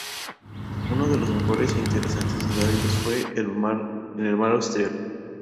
Uno de sus mejores e interesantes ensayos fue "En el mar Austral".